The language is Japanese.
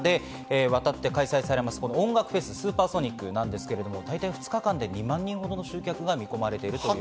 来週土曜、日曜２日間でにわたって開催されます、音楽フェス、スーパーソニックですが２日間で２万人ほどの集客が見込まれています。